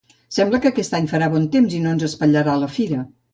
Sembla que aquest any farà bon temps i no ens espatllarà la fira.